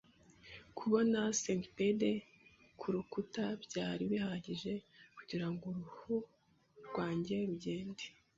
Kubona centipede kurukuta byari bihagije kugirango uruhu rwanjye rugende.